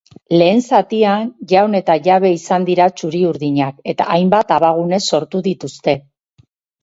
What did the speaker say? Lehen zatian jaun eta jabe izan dira txuri-urdinak eta hainbat abagune sortu dituzte.